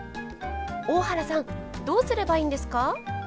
大原さんどうすればいいんですか？